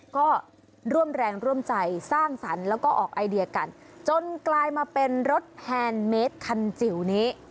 ก็ร่วมแรงร่วมใจสร้างสรรค์แล้วก็ออกไอเดียกันจนกลายมาเป็นรถแฮนดเมสคันจิ๋วนี้